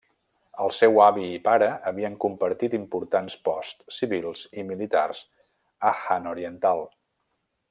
El seu avi i pare havien compartit importants posts civils i militars a Han Oriental.